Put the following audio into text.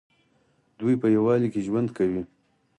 دوی په یووالي کې ژوند کوي.